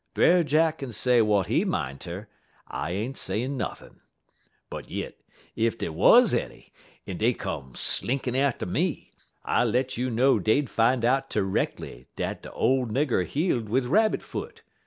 Brer Jack kin say w'at he mineter; I ain't sayin' nothin'. But yit, ef dey wuz any, en dey come slinkin' atter me, I let you know dey'd fine out terreckly dat de ole nigger heel'd wid rabbit foot.